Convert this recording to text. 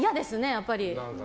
やっぱり。